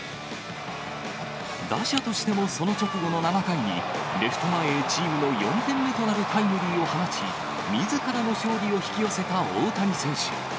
打者としても、その直後の７回に、レフト前へチームの４点目となるタイムリーを放ち、みずからの勝利を引き寄せた大谷選手。